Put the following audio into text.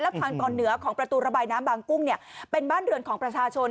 ทางตอนเหนือของประตูระบายน้ำบางกุ้งเนี่ยเป็นบ้านเรือนของประชาชน